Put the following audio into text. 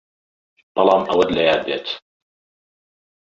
بەڵام ئەوەت لە یاد بێت